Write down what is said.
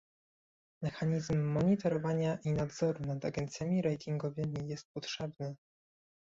Mechanizm monitorowania i nadzoru nad agencjami ratingowymi jest potrzebny